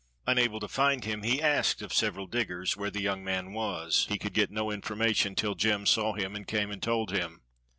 Unable to find him, he asked of several diggers where the young man was; he could get no information till Jem saw him, and came and told him.